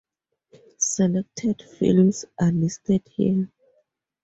Selected films are listed here.